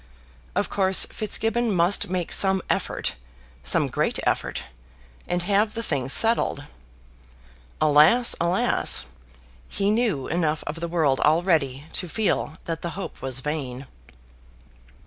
Of course Fitzgibbon must make some effort, some great effort, and have the thing settled. Alas, alas! He knew enough of the world already to feel that the hope was vain.